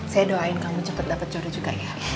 saya doain kamu cepat dapet jodoh juga ya